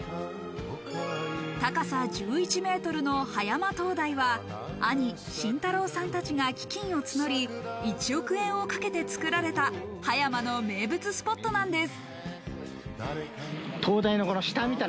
高さ１１ｍの葉山灯台は、兄・慎太郎さんたちが基金を募り、１億円をかけて作られた葉山の名物スポットなんです。